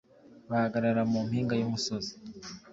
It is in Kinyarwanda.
bahagarara mu mpinga y’umusozi.